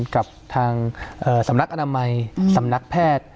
กับทางสำนักอนามัยสำนักแพทย์